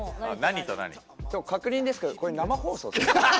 確認なんですけどこれ、生放送？